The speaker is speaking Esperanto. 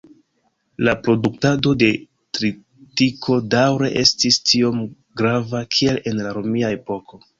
La produktado de tritiko daŭre estis tiom grava kiel en la romia epoko.